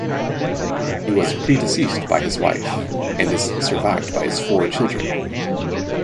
He was predeceased by his wife and is survived by his four children.